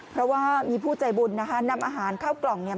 เพราะว่ามีผู้ใจบุญนะคะนำอาหารเข้ากล่องเนี่ย